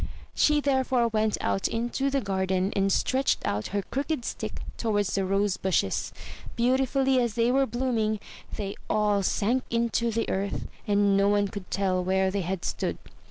She therefore went out into the garden, and stretched out her crooked stick towards the rose bushes. Beautifully as they were blooming, they all sank into the earth, and no one could tell where they had stood.